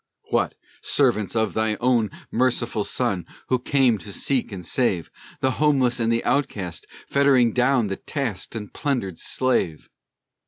What! servants of thy own Merciful Son, who came to seek and save The homeless and the outcast, fettering down The tasked and plundered slave!